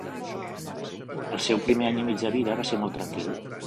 El seu primer any i mig de vida va ser molt tranquil.